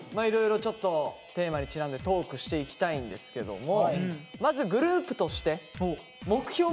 いろいろちょっとテーマにちなんでトークしていきたいんですけども何かあります？